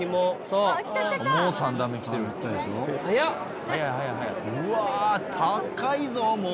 うわ高いぞもう。